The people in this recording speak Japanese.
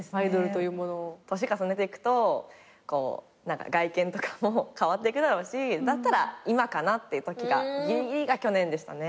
年重ねていくと外見とかも変わっていくだろうしだったら今かなっていうときがギリギリが去年でしたね。